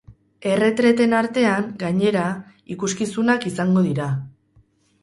Erretreten artean, gainera, ikuskizunak izango dira.